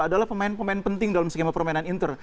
adalah pemain pemain penting dalam skema permainan inter